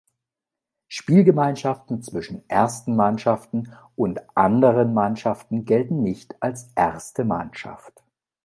Spielgemeinschaften zwischen ersten Mannschaften und anderen Mannschaften gelten nicht als erste Mannschaft.